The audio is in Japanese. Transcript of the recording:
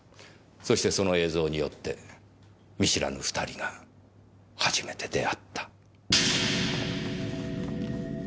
そしてその映像によって見知らぬ２人が初めて出会った。